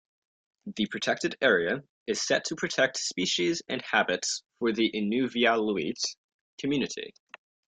The protected area is set to protect species and habits for the Inuvialuit community.